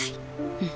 うん。